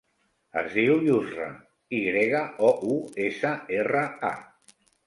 Es diu Yousra: i grega, o, u, essa, erra, a.